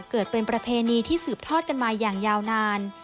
เกิดเป็นประเพณีที่สืบทอดกันมาอย่างยาวนาน